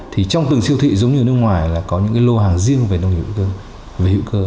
thì trong từng siêu thị giống như nước ngoài là có những cái lô hàng riêng về nông nghiệp hữu cơ